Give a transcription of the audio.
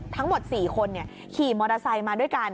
ทั้งหมด๔คนขี่มอเตอร์ไซค์มาด้วยกัน